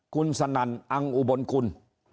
คุณสนั่นอังอุบลกุล